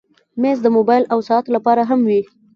مېز د موبایل او ساعت لپاره هم وي.